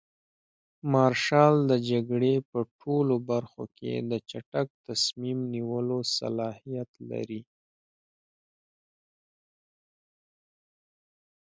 مارشال د جګړې په ټولو برخو کې د چټک تصمیم نیولو صلاحیت لري.